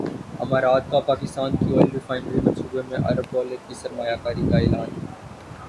امارات کا پاکستان کی ئل ریفائنری منصوبے میں ارب ڈالر کی سرمایہ کاری کا اعلان